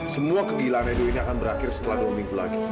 semua kegilaan nu ini akan berakhir setelah dua minggu lagi